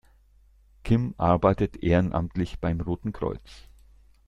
Kim arbeitet ehrenamtlich beim Roten Kreuz.